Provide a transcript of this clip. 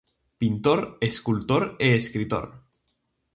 Pintor, escultor e escritor.